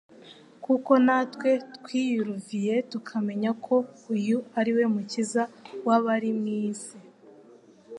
kuko na twe twiyuruviye tukamenya ko uyu ari we Mukiza w'abari mu isi."